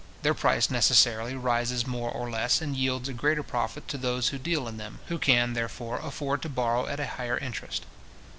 Their price necessarily rises more or less, and yields a greater profit to those who deal in them, who can, therefore, afford to borrow at a higher interest.